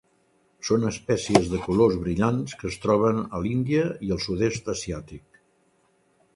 Són espècies de colors brillants que es troben a l'Índia i al sud-est asiàtic.